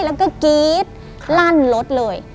แล้วก็กรี๊ดลั่นรถเลย